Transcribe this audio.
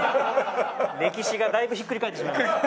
歴史がだいぶひっくり返ってしまいます。